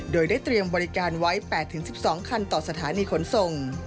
โดยได้เตรียมบริการไว้๘๑๒คันต่อสถานีขนส่ง